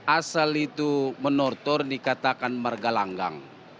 asal itu menortor dikatakan margalanggang